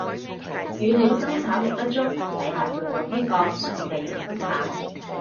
語料生產力不足，睇下仲有邊個想繼續生產